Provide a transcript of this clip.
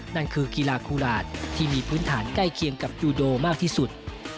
นั่นคือกีฬาคูหลาดที่มีพื้นฐานใกล้เคียงกับจูโดมากที่สุด